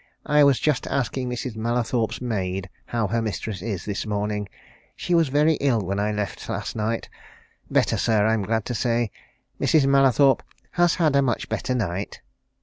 I was just asking Mrs. Mallathorpe's maid how her mistress is this morning she was very ill when I left last night. Better, sir, I'm glad to say Mrs. Mallathorpe has had a much better night."